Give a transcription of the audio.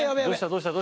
どうした？